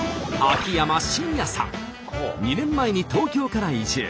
２年前に東京から移住。